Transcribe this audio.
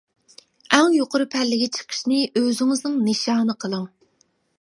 ئەڭ يۇقىرى پەللىگە چىقىشنى ئۆزىڭىزنىڭ نىشانى قىلىڭ.